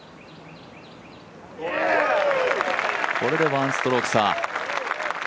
これで１ストローク差。